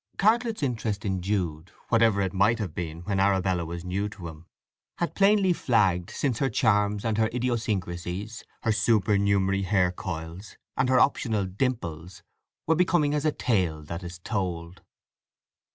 Cartlett's interest in Jude whatever it might have been when Arabella was new to him, had plainly flagged since her charms and her idiosyncrasies, her supernumerary hair coils, and her optional dimples, were becoming as a tale that is told.